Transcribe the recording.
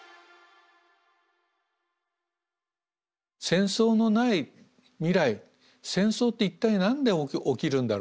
戦争のない未来戦争って一体何で起きるんだろう？